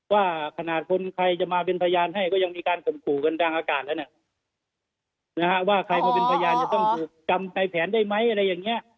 ว่าขนาดคนใครจะมาเป็นพยานให้ก็ยังมีการกล่มขู่กันดังอากาศแล้วเนี่ย